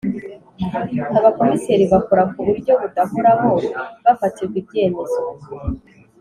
Abakomiseri bakora ku buryo budahoraho bafatirwa ibyemezo